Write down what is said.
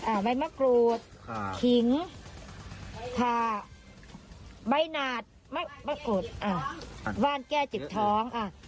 ใบมะกรูดอ่าขิงค่ะใบหนาดมะมะกรูดอ้าวว่านแก้เจ็บท้องอ่ะ